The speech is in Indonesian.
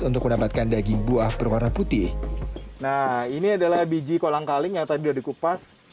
untuk mendapatkan daging buah berwarna putih nah ini adalah biji kolangkaling yang tadi dikupas